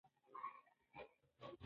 څېړونکي د نورو څېړنو اړتیا یادوي.